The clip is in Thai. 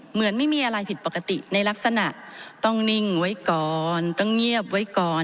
เหมือนไม่มีอะไรผิดปกติในลักษณะต้องนิ่งไว้ก่อนต้องเงียบไว้ก่อน